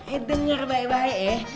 eh denger baik baik